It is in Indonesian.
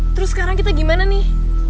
terus sekarang kita gimana nih